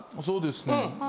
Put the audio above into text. そうですね。